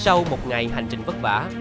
sau một ngày hành trình vất vả